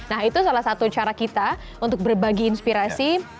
nah itu salah satu cara kita untuk berbagi inspirasi